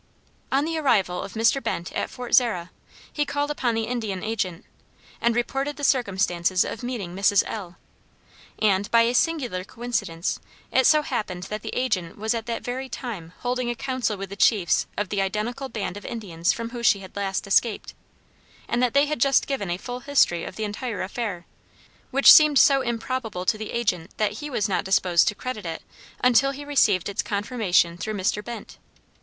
On the arrival of Mr. Bent at Fort Zara, he called upon the Indian agent, and reported the circumstance of meeting Mrs. L , and, by a singular coincidence, it so happened that the agent was at that very time holding a council with the chiefs of the identical band of Indians from whom she had last escaped, and they had just given a full history of the entire affair, which seemed so improbable to the agent that he was not disposed to credit it until he received its confirmation through Mr. Bent.